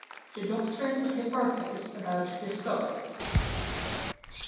THE DOCTRINE OF HIPPARCHUS ABOUT THE STARS.